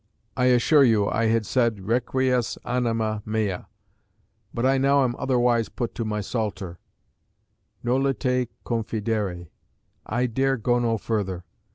I assure you I had said Requiesce anima mea; but I now am otherwise put to my psalter; Nolite confidere. I dare go no further.